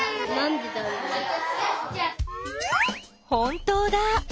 本当だ。